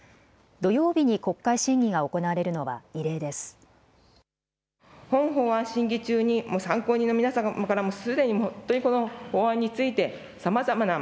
土曜日に国会審議が行われるのは異例です。